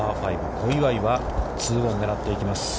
小祝は、ツーオン狙っていきます。